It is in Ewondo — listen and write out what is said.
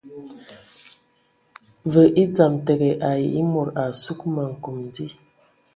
Və e dzam təgə ai e mod a sug ma nkom di.